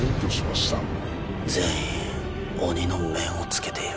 全員鬼の面を着けている。